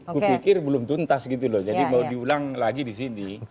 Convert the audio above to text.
kupikir belum tuntas gitu loh jadi mau diulang lagi di sini